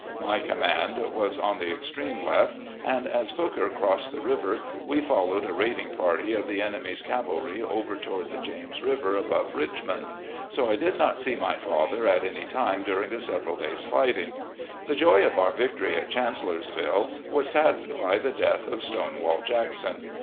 My command was on the extreme left, and, as Hooker crossed the river, we followed a raiding party of the enemy's cavalry over toward the James River above Richmond ; so I did not see my father at any time during the several days' fighting. The joy of our victory at Chancellorsville was saddened by the death of " Stone wall" Jackson.